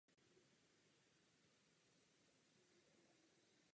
V současnosti tvrz využívá Armáda České republiky a vnitřní prostory slouží jako skladiště.